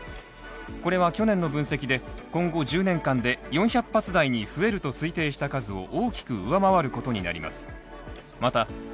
これは去年の分析で、今後１０年間で４００発台に増えると推定した数を大きく上回ることになります。